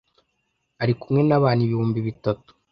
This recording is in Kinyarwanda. ari kumwe n'abantu ibihumbi bitatu